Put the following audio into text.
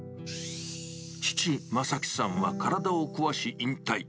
父、正樹さんは体を壊し引退。